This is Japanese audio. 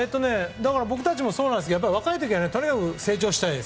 僕たちもそうなんですが若い時はとにかく成長したいです。